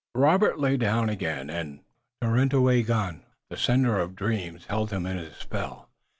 Robert lay down again and Tarenyawagon, the sender of dreams, held him in his spell.